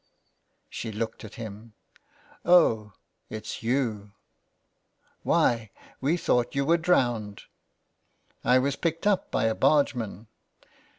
... She looked at him. " Oh, it's you ! Why we thought you were drowned." *' I was picked up by a bargeman."